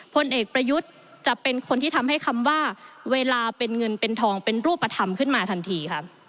พลเอกประยุทธ์จะเป็นคนที่ทำให้คำว่าเวลาเป็นเงินเป็นทองเป็นรูปธรรมขึ้นมาทันทีค่ะ